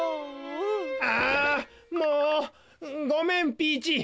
ああもうごめんピーチー。